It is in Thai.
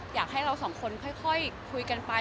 อยากให้เราสองคนค่อยคุยกันไป